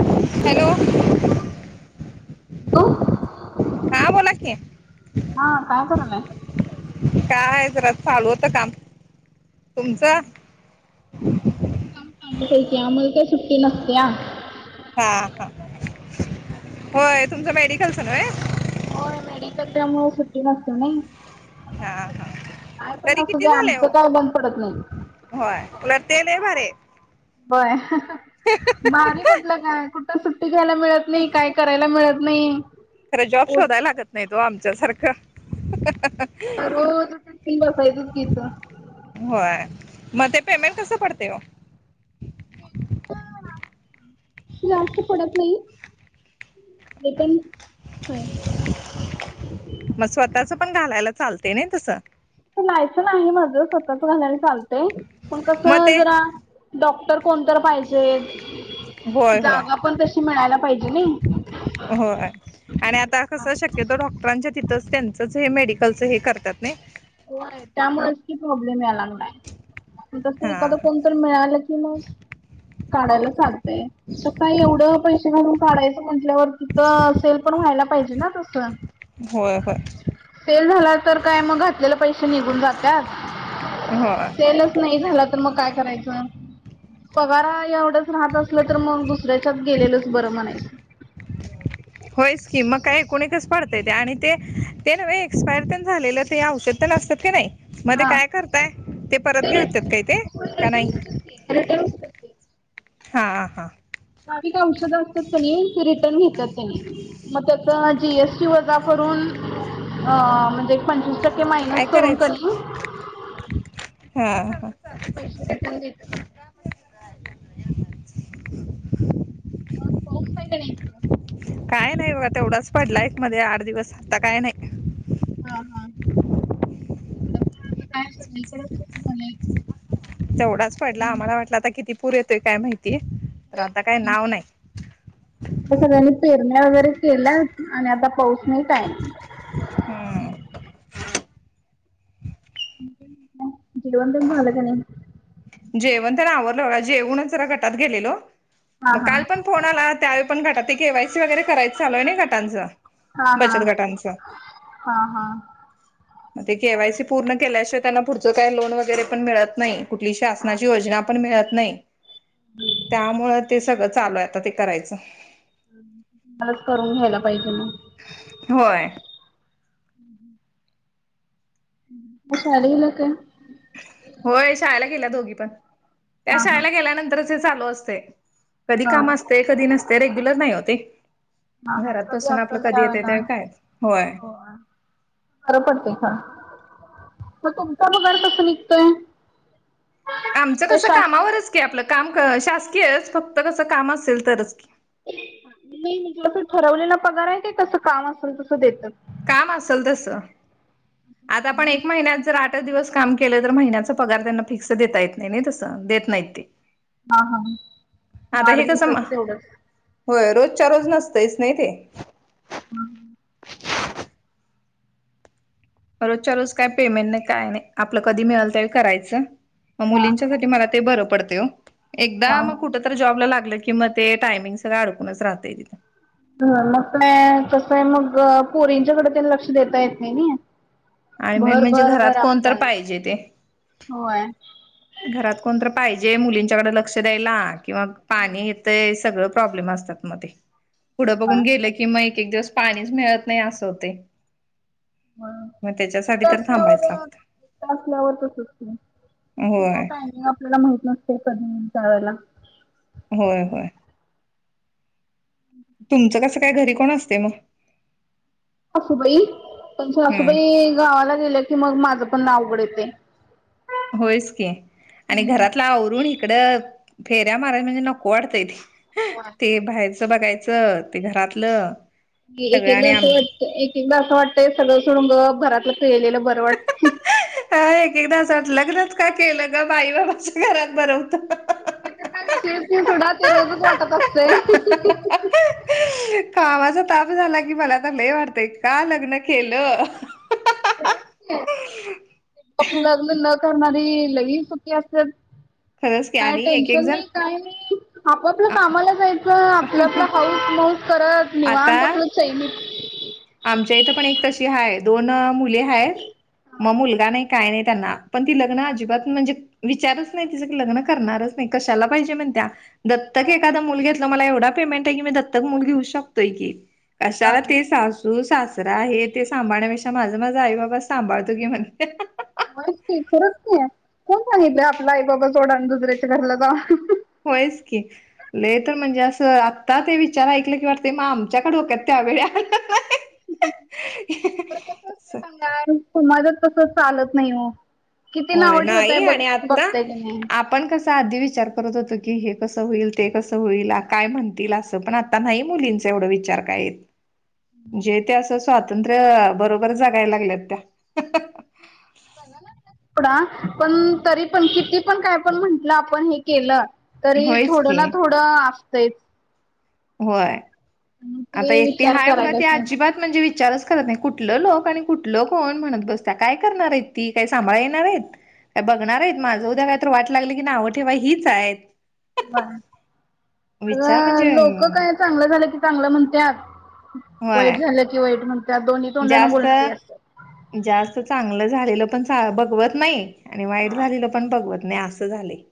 Hello. हा हा बोला की. हा काय करालाय. काय जरा चालू होतं काम. तुमचं. काम चालूचये की, आम्हाला काय सुट्टी नसतेया. हा हा. होय तुमचं मेडिकलच नव्हे. हो मेडिकल. त्यामुळे सुट्टी नसते नइ. हा हा काय पण तरी किती असूद्या, झाले आमचं हो काम बंद पडत नाही. होय उलट ते लय भारीये. होय भारी कुठलं काय. कुठं सुट्टी घ्यायला मिळत नाही. काय करायला मिळत नाही. खरं जॉब उठ शोधायला लागत नाहीत हो. आमच्या सारखं. रोज उठून [unintelligible] बसायचंच की इथं. होय मग ते पेमेंट कसं पडतय हो. [unintelligible] जास्त पडत नाहीत [unintelligible] मग स्वतःचं पण घालायला चालतंय नाही तसं. लायसन्स आहे माझं स्वतःचं घालायला चालतंय पण मग कसं ते जरा डॉक्टर कोणतर पाहिजे, होय होय जागा पण तशी मिळायला पाहिजे नाही. होय. आणि आता कसं शक्यतो डॉक्टरांच्या तिथंच त्यांचच हे मेडिकलच हे करतात नाही. होय त्यामुळेच की प्रॉब्लेम या लागलाय, तसं हा एखादा हा. कोण मिळालं की मग, काढायला चालतंय कसं आहे एवढं पैसे [unintelligible] काढायचं म्हटल्यावर तिथं सेल पण व्हायला पाहिजे ना तसं. होय होय सेल झाला तर काय मग आपल्याला पैसे निघून जात्यात, होय सेलच नाही झाला तर मग काय करायचं, पगारा एवढंच राहत असलं तर मग दुसऱ्याच्या गेलेलंच बरं म्हणायचं. होयच की मग काय एकूण एकच पडतंय ते आणि ते ते नव्हे एक्सपायर तेन झालेलं ते औषध नसतात की नाही मध्ये हा काय करताय ते परत घेत्यात काय ते का नाही. [unintelligible] हां हां. नाविक औषधं असतात कनी रिटर्न घेतात त्यांनी. मग त्याच जी एस टी वजा करून अ म्हणजे एक पंचवीस टक्के तर काय मायनस करून करायचं कनी. हा हा ते पैसे रिटर्न देतात. मग पाऊस आहे का नाही. काय नाही बघा तेवढाच पडलाय एक मध्ये आठ दिवस आता काय नाही. हा हा इकड पण आता काय अस सगळीकडेच तस झालय. तेवढाच पडला आम्हाला वाटला आता किती पूर येतोय काय माहिती तर आता काही नाव नाही. सगळ्यांनी पेरण्या वगैरे केल्या आणि आता पाऊस नाही काय नाही. हम. जीवन तेन झालं का नाही. जेवण तेन आवरलं हो जेवूणच जरा गटात गेलेलो, हा मग हा काल पण फोन ला त्यावेळी पण घटात के वाय सी वगैरे करायच चालू हाय नाही घाटांच, हा हा बचत घाटांच. हा हा. ते के वाय सी पूर्ण केल्याशिवा त्यांना पुढचं काही लोन वगैरे पण मित नाही कुठली श योजना पण मिळत नाही, त्यामुळे ते सगळं चालू आहे आता ते करायचं. मग करून घ्यायला पाहिजे म. होय. अशाडी काय? होय शाळेला गेल्या दोघी पण, त्या हा हा शाळेला गेल्यानंतरच हे चालू असतंय. कधी काम हा. असतय कधी नसतय रेग्युलर नाही हो ते. हा हा घरात कधी बसून आपलं असेल कधी येतं त्यावेळेला ते काय? खरं पडतय हा, मग तुमचा पगार कसं निघतोय. आमचं का कसं शास कामावरच की आपलं काम शासकीयच फक्त कसं काम असेल तरच की. नाही म्हंटल तर ठरवलेला पगार आहे काय कसं काम असेल तसं देतात. काम असल तस, आता आपण एक महिन्यात जर आ आ दिवस काम केलं तर महिन्याचा पगार त्यांना फिक्स देता येत नाही नाही तसं देत नाहीत ते. [unintelligible] आता आठ हे कसं, दिवसाच तेवढंच होय रोजच्या रोज नसतंय च नाही ते. हम्. रोजच्या रोज काय पेमेंट नाही काय नाही आपलं कधी मिळेल तरी करायचं म हा मुलींच्यासाठी मला ते बरं पडते एकदा हा मग कुठ हा तर जॉब लागलं कि म तेायमिंग सगं अडकूनच राहते ति ह मग काय कसं आहे मग पोरींच्याकडे त्यां लक्ष देता येत नाही नाही आणि मेन भर म्हणजे भर घरात भर कोण आपल्या तर पाहिजे ते. होय पाजे मुलींच्याकडे लक्ष द्याय किंवा पाणी येत [inaudible] होय किं मग एक एक दिवस पाणीच मिळत नाही असं होते हा एकट तर असल्यावर थांबायच लागतं. एकट असल्यावरचच होते ठीक आहे होय टायमिंग आपल्याला माहित नसते कधी जा वयला होय होय तुमचं कस काय घरी कोण असते मग हसूबाई पण हम्म हसूबाई गावाला गेले की मग माझं पण नावघड येते होयच की आणि घरातलं औवरुण इकडं फेऱ्या माराय म्हणजे नको वाटतंय त होय. ते बारचं बघायचं ते घरातलं एक सगळं एकदा आणि आम असं वाटत एक एकदा असं वाटतंय सगळं सोडून म घरातलं खळलेलं बरं वाटत ह एक एकदा असं वाटल, लग्नच का केलं ग बाई बाबाच्या घरात बरहोत. तेच काही विषय सोडा, ते रोजच वाटत असतेय. कामाचा ताप झाला की, मला तर लय वाटतय, का लग्न केलं. लग्न न करणारी लई सुखी असतात. खरंच की काय आणि एक एक टेन्शन जण नाही काय नाही, आप आपल्या कामाला जायचं, आपलं आपला हाऊस मऊस करत, आता निवांत आपलं चैईनीत. आमच्या इथं पण एक तशी हाय, दोन मुली आहेत, मग हा मुलगा नाही काय नाही त्यांना. पण ती लग्न अजिबात, म्हणजे विचारच नाही तिचं की लग्न करणारच नाही कशाला पाहिजे म्हण त्या दत्तक एखादा मूल घेतलं, मला एवढा पेमेंटेय की, मी दत्तक मूल घेऊ शकतोय की. कशाला ते सास सू सासरा हे ते सांभाळण्यापेक्षा, माझं माझ आई बाबा सांभाळतो की, म्हण. होय की, खरंच की, कोण सगितलं आपल आई बाबा सोडा आणि दुसऱ्याच्या घरला जावा. होयच की. लई तर म्हणजे, असं आता ते विचार ऐकलं की, वाटते म आमच्या का डोक्यात त्यावेळी आल नाही. [unintelligible] गा तुमझ तस चालत नाही ओ. किती होय नावं ठेवताय नाही बघ आणि आता बघताय की नाही. आपण कसा आधी विचार करत होतो की, हे कसं होईल ते कसं होईल, काय म्हणतील असं, पण आत ता नाही मुलींचा एवढं विचार कायेत. जे ते असं, स्वातंत्र्य बरोबर जगायला लागल्यात त्या. सोडा पण तरी पण किती पण काय पण म्हटलं आपण हे केलं, तरी होयच थोडं की ना थोडं असतेच. होय, आता ते एकटी विचार हाय बघा ती, करायलाच नाही. अजिबात म्हणजे विचारच करत नाही, कुठलं लोक आणि कुठल कोण, म्हणत बसत्या, काय करणारेत ती काय सांभाळ येणारेत. ह [inaudible] बघणारेत माझं, उद्या कायही तरी वाट लागली की, नाव ठेवाय हीच आहेत. बर, अग विचार म्हणजे लोक काय चांगलं झालं की चांगलं म्हणतात, वाईट होय झालं की वाईट म्हणतात, दोन्ही तोंडाना जास्त बोलणारी असत्यात. जास्त चांगलं झालेलं पण बघवत नाही, आणि वाईट झालेलं पण बघवत नाही, असं. त झाले.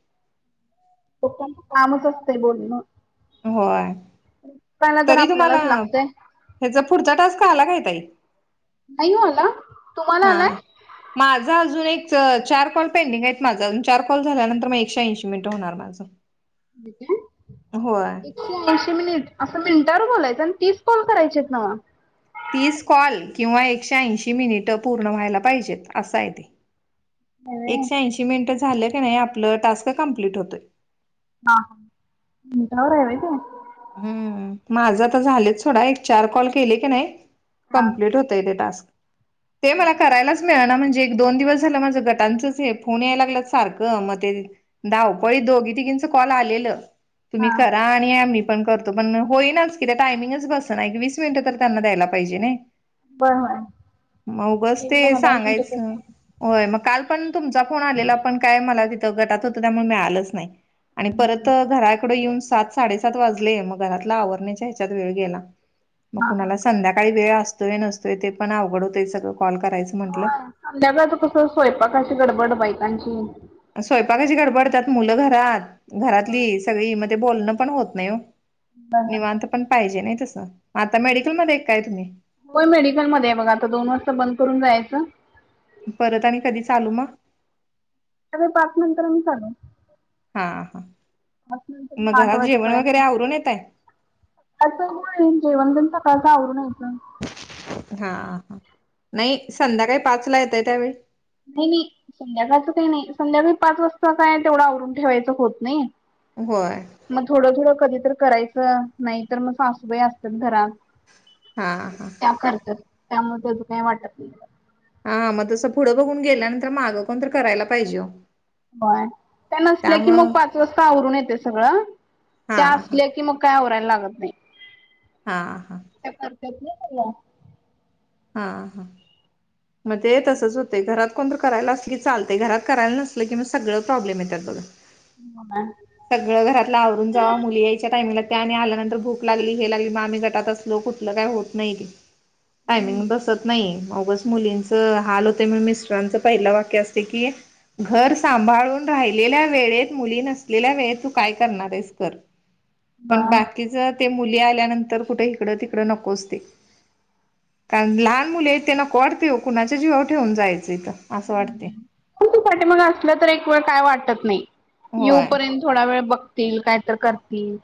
लोकाच कामच असतय, बोलणं. होय. त्याला तर तरी तुम्हाला, आपल्यालाच लागतंय ह्याचा पुढचा टस्क आला काय ताई. नाही हो आला, तुम्हाला आलाय. हा माझा अजून एक चार कॉल पेंडिंग आहेत माझा अजून चार कॉल झाल्यानंतर, मग एकशे ऐंशी मिनटं होणार. पाज म्ह तऐशे मिनिट असं मिनिटावर बोलायचं आणि तीच कॉल करायचीत नावा. तीस कॉल किंवा एकशे ऐंशी मिनिट पूर्ण व्हायला पाहिजेत असं आहे ते. होय व्हय. एकशे ऐशी मिनट झालं की नाही आपलं टास्क कमप्लीट होतोय. हा हार आहेेत. हम्म, माझं तर झालंच सोडा, एक चार कॉल केले की नाही. हा कम्पलीट होतय ते टास्क, ते मला करायलाच मिळाना, म्हणजे दोन दिवस झालं माझं गटांचच हे, फोन यायला लागला सारखं, मग ते धावपळीत दोघी तिघींच कॉल आलेलं, तुम्ही हा करा आणि आम्ही पण करतो, पण होईनाच की टायमिंगच बस ना, एक वीस मिनिटं तर त्यांना द्यायला पाहिजे नाही. बर बर म उगच ते सांगायच. होय, मग काल पण तुमचा फोन आलेला, पण काय मला तिथं गटात होतं, त्यामुळे मिळालंच नाही. आणि परत घराकड येऊन सात साडेसात वाज मग घरात आवर ह्याच्यात वेळ गेला, म कुणाला संध्याकाळी वेळ अस तोय नसतोय, ते पण अवघड होतय सगंळ, कॉल करायचं म्हटलं, संध्याकाळच कसं, स्वयंपाकशी गडबड बाईकांची. स्वयंपाकाशी गडबड, त्यात मुलं घरात, घरातली सगळी म ते बोलणं पण होत नाही ओ. बर बर निवांत पण पाहिजे ना तसं, आता मेडिकल मध्ये काय तुम्ही. होय, मेडिकलमध्येये बघा आता, दोन वाजता बंद करून जायचं. परत आणि कधी चालू मग. अे पाच नंतर म चालू. हा हा पाच नंतर मग आठ घरात जेवण वगैरे वाजेपर्यंत! आवरून येताय आताने वंद गचा कसावूनयेत! हा ह नाही संध्याकाळी पाच ला येतय त्यावेळी. नाही नाही संध्याकाळचं काही नाही संध्याकाळी पाच वाजता काय तेवढं आवरून ठेवायचं होत नाही. होय मग थोडं थोडं कधी तर करायचं नाही तर मग सासूबाई असतात घरात! हां हां त्या करतात त्यामुळे त्या काही वाटत नाही. हा मग तसं पुढं बघून गेल्यानंतर मागं कोण तर करायला पाहिजे हो. होय त्या नसल्या की मग त्यामुळं पाच वाजता आवरून येते सगळं हा त्या हा असल्या की मग. काय होरायला लागत नाही. हा हा त्या करतेत ना! हा हा मग ते तसच होते घरात? कोण तर करायला अस क लं घरात करायला नसल किंग सगळं प्रॉब्लेम आहे त्यातळं? होय. सगळं घरातलं आवरून जावा मुली याच्या टाइमला! त्याने आल्यानंतर भूक लागली हे लागली मगम्ही गटात असलो कुठलं काही होत नाही. टायमिंग हम्म बसत नाही मगच मुलींच हाल होते म मिस्टरांचं पहिलं वाक्य असते की? घर सांभाळून राहिलेल्या वेळेत मुली नसलेल्या वेळेत तू काय करणार आहेस कर! ह पण बाकीच ते मुली आल्यानंतर कुठे इिकडं तिकडं नकोचते. कारण लहान मुले आहेत त्यांना कोडते कुणाच्या जीवावर ठेवून जायचं तर असं वाटते. तुसाठी मग असलं तर एक वेळ काय वाटत नाही होय येऊपर्यंत! थोडा वेळ बघतील कायत करतील.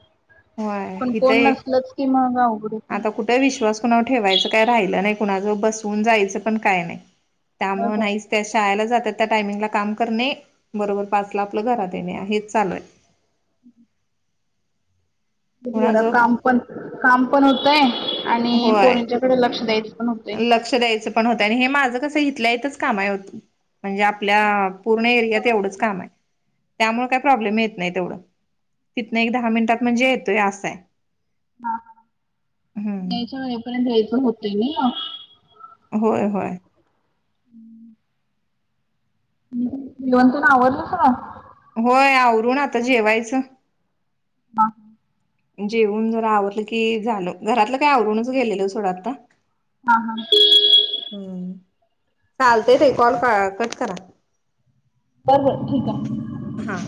होय पण इथं कोण एक नसलच की महागा उघड त! आता विश्वास कुणावर ठेवायचं काय राहिलं नाही कुणा जवळ बसवून जायचं पण काय नाही. त्यामुळे होय नाहीचं त्या शाळेला जातात त्या टायमिंगला काम करणे बरोबर पाचला आपलं घरात येणे हेच चालू आहे. हम् जरा कुणाजवळ काम पण काम पण होतंय आणि होय पोरींच्याकडे लक्ष द्यायचं पण होतंय लक्ष द्यायच पण होतंय हे माझं कस इथल्या इथं काम हो म्हणजे आपल्या पूर्ण एरियात एवढंच काम हाय त्यामुळे काय प्रॉब्लेम येत नाही तेवढं तिथन एक दहा मिनिटात म्हणजे येतोय असंय हा, ह यायच्या हम्म वेळेपर्यंत यायचं होतय नी होय, होय हम्म जेवण तेन आवरलं सगळं? होय आवरुण आता जेवायचं हा जेऊन जरा आवरलं की झालं घरातलं काय आवरूनच गेलेलो सोडा आता हा हा हम्म चालतय ते कॉल कट करा बर बर ठीक हाय. हा